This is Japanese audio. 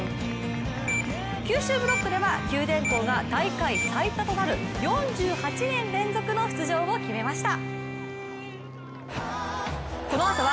九州ブロックでは九電工が大会最多となる４８年連続の出場を決めました。